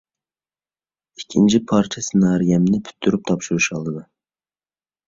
ئىككىنچى پارچە سېنارىيەمنى پۈتتۈرۈپ تاپشۇرۇش ئالدىدا.